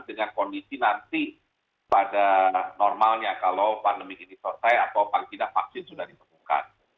dengan kondisi nanti pada normalnya kalau pandemi ini selesai atau paling tidak vaksin sudah ditemukan